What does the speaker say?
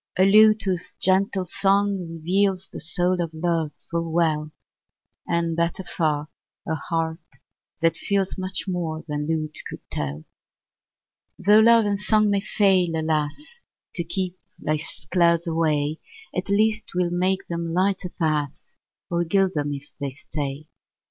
A lute whose gentle song reveals The soul of love full well; And, better far, a heart that feels Much more than lute could tell. Tho' love and song may fail, alas! To keep life's clouds away, At least 'twill make them lighter pass, Or gild them if they stay.